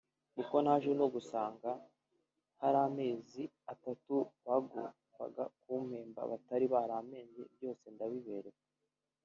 Kuko naje no gusanga hari amezi atatu bagombaga kumpemba batari bampembye byose ndabibereka […]